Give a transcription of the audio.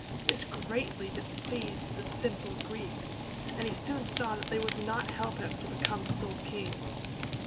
This greatly displeased the simple Greeks, and he soon saw that they would not help him to become sole king.